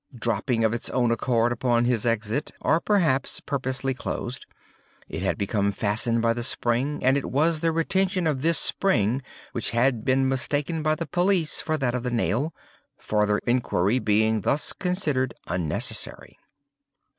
Dropping of its own accord upon his exit (or perhaps purposely closed), it had become fastened by the spring; and it was the retention of this spring which had been mistaken by the police for that of the nail,—farther inquiry being thus considered unnecessary.